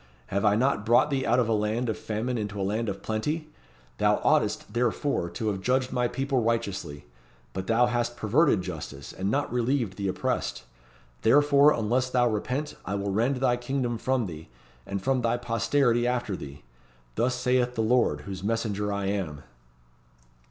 "Have I not brought thee out of a land of famine into a land of plenty? Thou oughtest, therefore, to have judged my people righteously! But thou hast perverted justice, and not relieved the oppressed. Therefore, unless thou repent, I will rend thy kingdom from thee, and from thy posterity after thee! Thus saith the Lord, whose messenger I am."